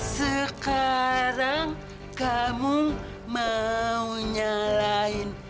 sekarang kamu mau nyalain